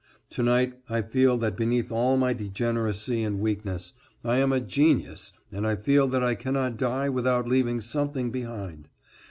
To night I feel that beneath all my degeneracy and weakness, I am a genius and I feel that I cannot die without leaving something behind.